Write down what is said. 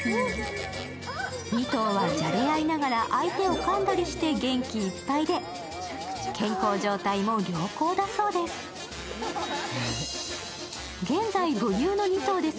２頭はじゃれあいながら相手をかんだりして元気いっぱいで、健康状態も良好だそうです。